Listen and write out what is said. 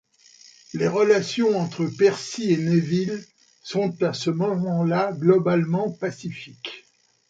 Les relations entre Percy et Neville sont à ce moment-là globalement pacifiques.